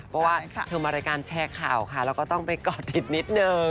เพราะว่าเธอมารายการแชร์ข่าวค่ะแล้วก็ต้องไปก่อติดนิดนึง